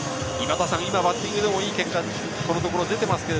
今、バッティングでもいい結果が出ています。